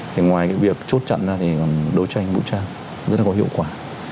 thì ngoài cái việc chốt chặn ra thì còn đấu tranh vũ trang rất là có hiệu quả